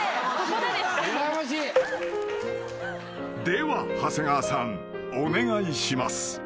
［では長谷川さん。お願いします］